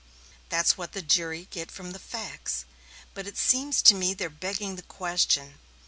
That's what the jury get from the facts, but it seems to me they're begging the question.